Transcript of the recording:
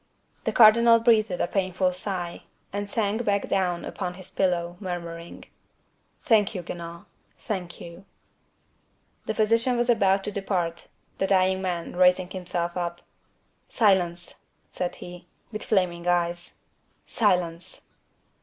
The cardinal breathed a painful sigh, and sank back down upon his pillow, murmuring, "Thank you, Guenaud, thank you!" The physician was about to depart; the dying man, raising himself up: "Silence!" said he, with flaming eyes, "silence!"